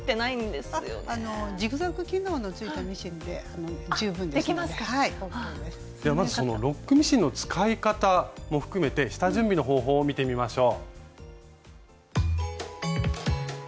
ではまずそのロックミシンの使い方も含めて下準備の方法を見てみましょう。